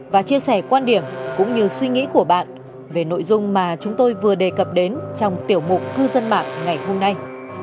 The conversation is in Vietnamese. và chia sẻ quan điểm cũng như suy nghĩ của bạn về nội dung mà chúng tôi vừa đề cập đến trong tiểu mục cư dân mạng ngày hôm nay